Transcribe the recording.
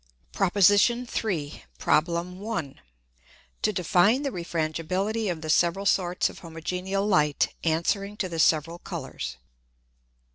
PROP. III. PROB. I. _To define the Refrangibility of the several sorts of homogeneal Light answering to the several Colours.